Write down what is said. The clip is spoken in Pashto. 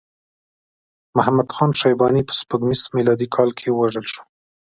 محمد خان شیباني په سپوږمیز میلادي کال کې ووژل شو.